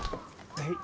はい。